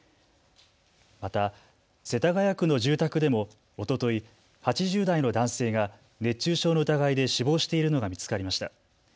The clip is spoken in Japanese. また世田谷区の住宅でもおととい８０代の男性が熱中症の疑いで死亡しているのが見つかりました。